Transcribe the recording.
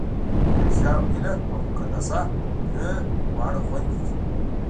عایشه او هیله او مقدسه درې واړه خوېندې دي